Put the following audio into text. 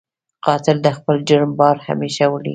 قاتل د خپل جرم بار همېشه وړي